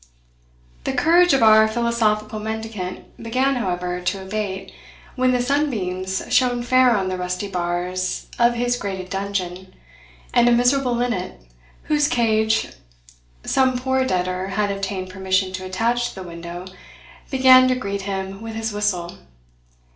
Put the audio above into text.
The courage of our philosophical mendicant began, however, to abate, when the sunbeams shone fair on the rusty bars of his grated dungeon, and a miserable linnet, whose cage some poor debtor had obtained permission to attach to the window, began to greet them with his whistle.